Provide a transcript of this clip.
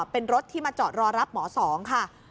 เป็นรถที่มาจอดรอรับหมอสองค่ะ